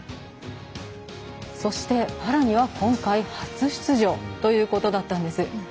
そして、パラには今回初出場ということだったんです。